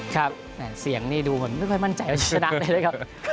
ครับเสียงนี่ดูเหมือนไม่ค่อยมั่นใจว่าจะชนะได้เลยครับ